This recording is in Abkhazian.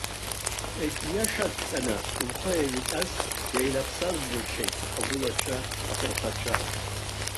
Егьиашаҵәҟьаны, лхы еивҟьаз, деилаԥсаз џьыршьеит агәылацәа, аҭынхацәа.